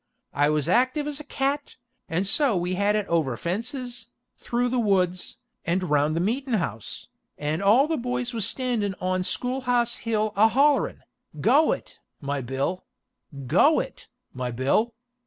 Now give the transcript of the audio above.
I was aktiv as a cat, and so we had it over fences, thru the woods, and round the meetin' house, and all the boys was standin' on skool house hill a hollerin', "Go it, my Bill go it, my Bill."